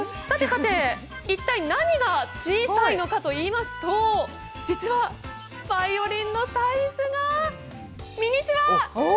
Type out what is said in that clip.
さて一体何が小さいのかといいますと、実はバイオリンのサイズがミニチュア。